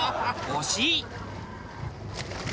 惜しい！